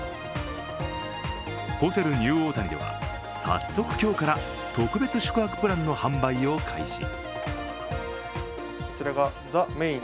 ホテルニューオータニでは早速今日から特別宿泊プランの販売を開始。